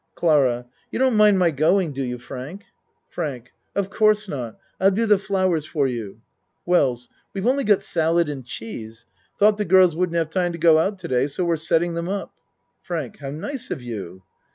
CLARA You don't mind my going, do you, Frank? FRANK Of course not. I'll do the flowers for you. WELLS We've only got salad and cheese. Thought the girls wouldn't have time to go out to day so we're setting them up. FRANK How nice of you!